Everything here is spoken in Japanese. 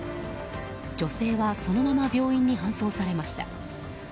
女性はそのまま病院に搬送されました。